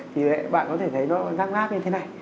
thì bạn có thể thấy nó đang nát như thế này